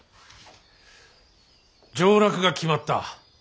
上洛が決まった。